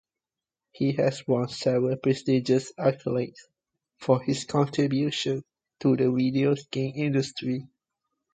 He has won several prestigious accolades for his contributions to the video game industry.